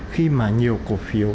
khi mà nhiều cổ phiếu